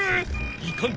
いかん！